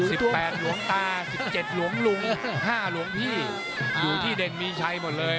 สิบแปดหลวงตาสิบเจ็ดหลวงลุงห้าหลวงพี่อยู่ที่เด่นมีชัยหมดเลย